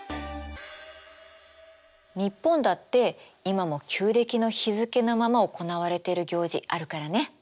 日本だって今も旧暦の日付のまま行われている行事あるからね。